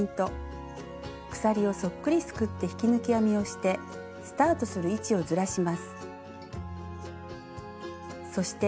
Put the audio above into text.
鎖をそっくりすくって引き抜き編みをしてスタートする位置をずらします。